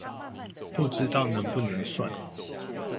不知道能不能算